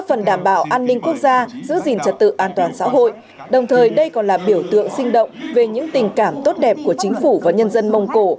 an ninh quốc gia giữ gìn trật tự an toàn xã hội đồng thời đây còn là biểu tượng sinh động về những tình cảm tốt đẹp của chính phủ và nhân dân mông cổ